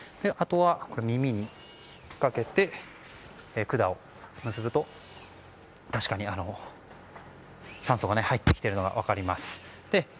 あとは耳に引っ掛けて管を結ぶと、確かに酸素が入ってきているのが分かります。